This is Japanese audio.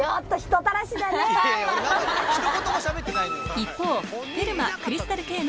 一方